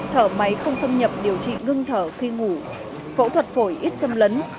thở máy không xâm nhập điều trị ngưng thở khi ngủ phẫu thuật phổi ít xâm lấn